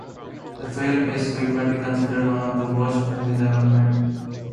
The film is frequently considered one of the worst movies ever made.